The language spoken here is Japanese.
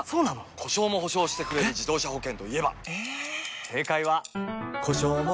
故障も補償してくれる自動車保険といえば？